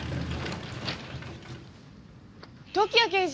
時矢刑事？